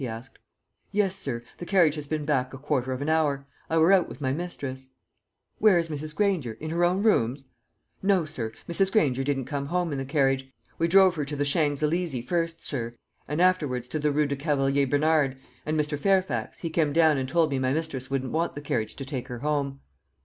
he asked. "Yes, sir; the carriage has been back a quarter of an hour. I were out with my mistress." "Where is Mrs. Granger? In her own rooms?" "No, sir; Mrs. Granger didn't come home in the carriage. We drove her to the Shangs Elysy first, sir, and afterwards to the Rue du Cavalier Baynard; and Mr. Fairfax, he came down and told me my mistress wouldn't want the carriage to take her home."